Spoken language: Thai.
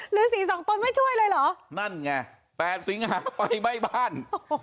หรือสีสองตนไม่ช่วยเลยเหรอนั่นไง๘สิงหาไฟไหม้บ้าน